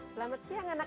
selamat siang anak anak